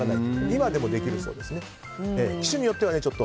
今でもできるそうですね。